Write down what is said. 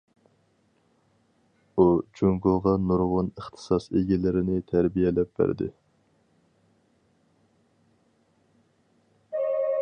ئۇ جۇڭگوغا نۇرغۇن ئىختىساس ئىگىلىرىنى تەربىيەلەپ بەردى.